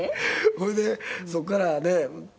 それでそっからね